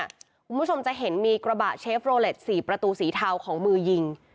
คุณผู้ชมจะเห็นมีกระบะเชฟโรเล็ต๔ประตูสีเทาของมือยิง